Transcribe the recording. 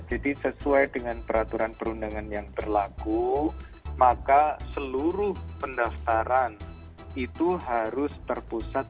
jadi sesuai dengan peraturan perundangan yang berlaku maka seluruh pendaftaran itu harus terputus